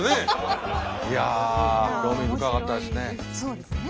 いや興味深かったですね。